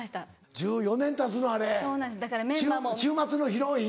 １４年たつのあれ「週末のヒロイン」？